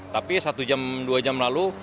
tapi satu jam dua jam lalu